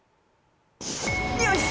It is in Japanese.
よし！